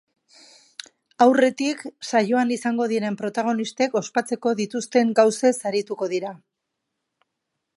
Aurretik, saioan izango diren protagonistek ospatzeko dituzten gauzez arituko dira.